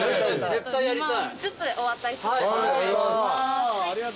絶対やりたい。